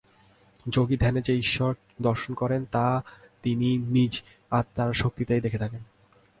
যোগী ধ্যানে যে ঈশ্বর দর্শন করেন, তা তিনি নিজ আত্মার শক্তিতেই দেখে থাকেন।